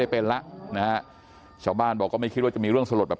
เป็นแล้วนะฮะชาวบ้านบอกก็ไม่คิดว่าจะมีเรื่องสลดแบบ